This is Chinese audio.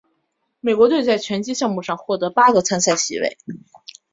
美国队在拳击项目上获得八个参赛席位。